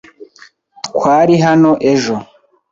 Twari hano ejo.